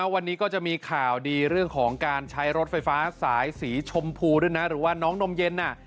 วันนี้ก็จะมีข่าวดีเรื่องของการใช้รถไฟฟ้าสายสีชมพูด้วยนะหรือว่าน้องนมเย็น